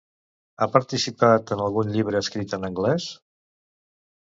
Ha participat en algun llibre escrit en anglès?